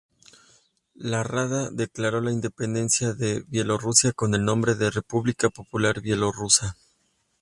La Rada declaró la independencia de Bielorrusia con el nombre de República Popular Bielorrusa.